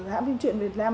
hãng phim truyền việt nam